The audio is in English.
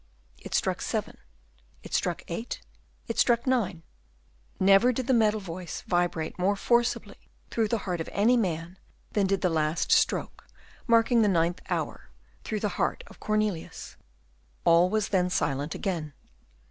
It struck seven, it struck eight, it struck nine. Never did the metal voice vibrate more forcibly through the heart of any man than did the last stroke, marking the ninth hour, through the heart of Cornelius. All was then silent again.